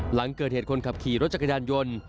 หลังเกิดเหตุคนขับขี่รถจักรยานยนต์